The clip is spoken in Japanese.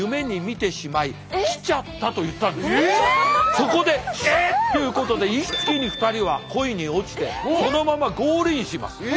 そこで「えっ！？」っていうことで一気に２人は恋に落ちてそのままゴールインします。